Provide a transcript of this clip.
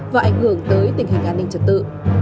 và ảnh hưởng tới tình hình an ninh trật tự